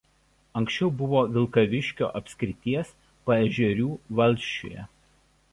Anksčiau buvo Vilkaviškio apskrities Paežerių valsčiuje.